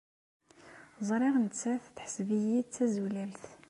Ẓriɣ nettat teḥseb-iyi d tazulalt.